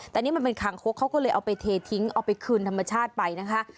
แต่นี่มันเป็นคางคกเขาก็เลยเอาไปเททิ้งเอาไปคืนธรรมชาติไปนะคะ